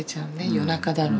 夜中だろうと。